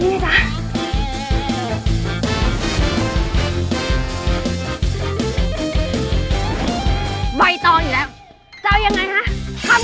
มีบริษัทที่กรุงเทพส่งเมลมาเสนองานที่ทำการตลาดนี้